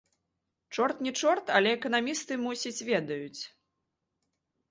Чорт не чорт, але эканамісты, мусіць, ведаюць.